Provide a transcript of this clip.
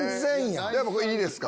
これいいですか。